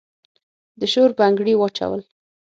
د شور بنګړي واچول